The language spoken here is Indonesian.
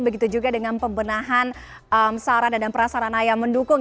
begitu juga dengan pembenahan sarana dan prasarana yang mendukung